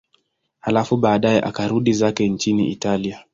Halafu baadaye akarudi zake nchini Italia.